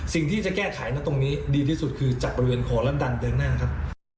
สิ่งที่จะแก้ไขนะตรงนี้ดีที่สุดคือจากบริเวณคอและดันเดินหน้าครับ